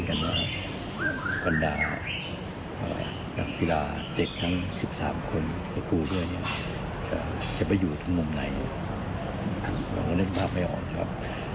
เราก็เล่นภาพไม่ออกครับ